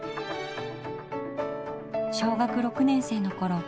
小学６年生のころ